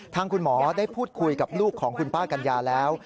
ทางคุณหมอได้พูดคุยกับลูกของคุณป้ากัญญาแล้ว